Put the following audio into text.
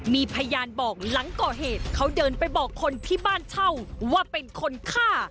มีพยานบอกหลังก่อเหตุเขาเดินไปบอกคนที่บ้านเช่าว่าเป็นคนฆ่า